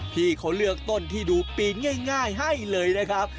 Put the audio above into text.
พี่เขาเลือกต้นที่ดูปีนง่ายให้เลยนะครับ